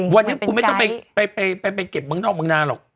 วันนี้คุณไม่ต้องไปเก็บเมืองนอกเมืองนานหรอก